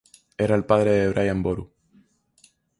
Era el padre de Brian Boru.